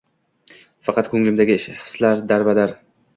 Faqat ko‘nglimdagi hislar — darbadar.